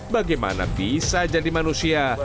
bagaimana bisa jadi manusia